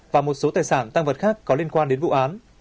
và một số tài sản tăng vật khác có liên quan đến vụ án